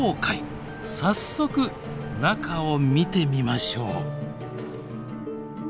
早速中を見てみましょう。